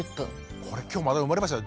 これ今日また生まれましたよ